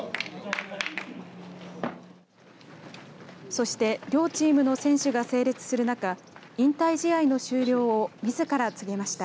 そして両チームの選手が整列する中引退試合の終了をみずから告げました。